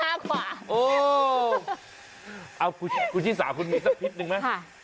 อันนี้หาขวาโอ้เอ้าคุณชี่สามคุณมีสักพิสหนึ่งไหมค่ะ